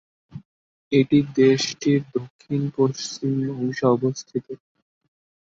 এটি দেশটির দক্ষিণ-পশ্চিম অংশে অবস্থিত।